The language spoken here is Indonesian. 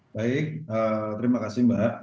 baik terima kasih mbak